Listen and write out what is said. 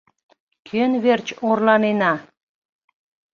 Кӧн верч орланена?